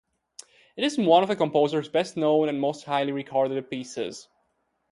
It is one of the composer's best-known and most highly regarded pieces.